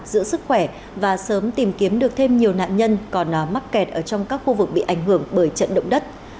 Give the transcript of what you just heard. giữ sức khỏe và sớm tìm kiếm được thêm nhiều nạn nhân còn mắc kẹt ở trong các khu vực bị ảnh hưởng bởi trận động đất